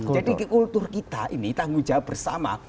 jadi kultur kita ini tanggung jawab bersama